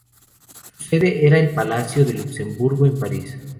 Su sede era el Palacio de Luxemburgo, en París.